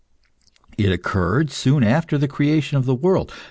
It occurred soon after the creation of the world.